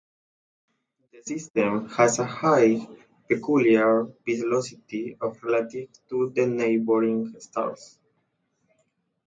This system has a high peculiar velocity of relative to the neighboring stars.